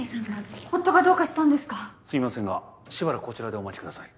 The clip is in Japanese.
すいませんがしばらくこちらでお待ちください。